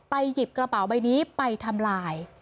หยิบกระเป๋าใบนี้ไปทำลาย